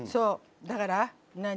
だから何？